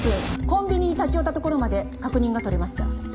コンビニに立ち寄ったところまで確認が取れました。